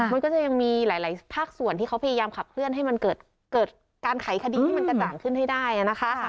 มันก็จะยังมีหลายภาคส่วนที่เขาพยายามขับเคลื่อนให้มันเกิดการไขคดีที่มันกระจ่างขึ้นให้ได้นะคะ